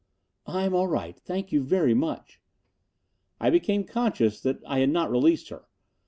"I'm all right, thank you very much " I became conscious that I had not released her.